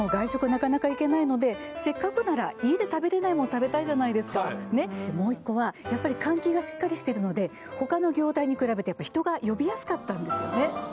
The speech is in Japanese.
なかなか行けないのでせっかくなら家で食べれないもの食べたいじゃないですかもう一個はやっぱり換気がしっかりしてるので他の業態に比べて人が呼びやすかったんですよ